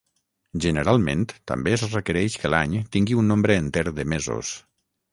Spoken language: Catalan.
Generalment, també es requereix que l'any tingui un nombre enter de mesos.